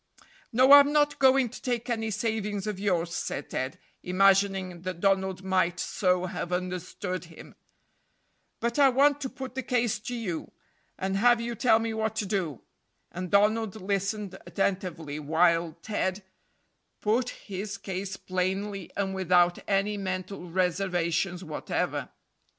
"No, I'm not going to take any savings of yours," said Ted, imagining that Donald might so have understood him; "but I want to put the case to you, and have you tell me what to do;" and Donald listened attentively while Ted "put his case" plainly and without any mental reservations whatever.